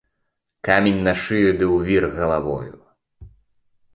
Камень на шыю ды ў вір галавою!